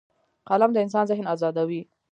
قلم د انسان ذهن ازادوي